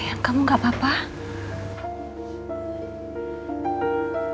jangan ada apa apa lagi bagi penghormatan aku